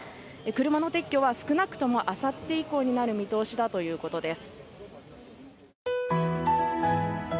車の撤去は少なくともあさって以降になる見通しだということです。